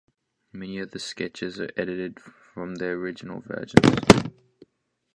Many of the sketches are edited from their original versions.